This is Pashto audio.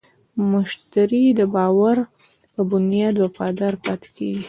مشتری د باور په بنیاد وفادار پاتې کېږي.